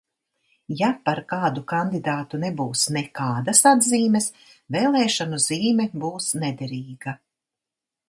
Ja par kādu kandidātu nebūs nekādas atzīmes, vēlēšanu zīme būs nederīga.